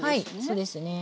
そうですね。